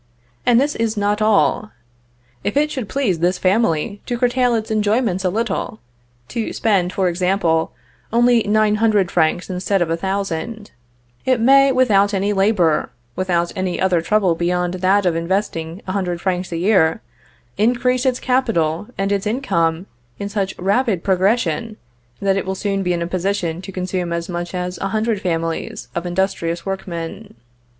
And this is not all. If it should please this family to curtail its enjoyments a little to spend, for example, only 900 francs, instead of 1,000 it may, without any labor, without any other trouble beyond that of investing 100 francs a year, increase its capital and its income in such rapid progression, that it will soon be in a position to consume as much as a hundred families of industrious workmen.